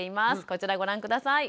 こちらご覧下さい。